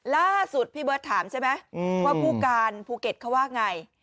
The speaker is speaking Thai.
ล่าสุดพี่เบิร์ตถามใช่ไหมว่าผู้การภูเก็ตเขาว่าไง